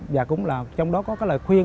và trong đó có lời khuyên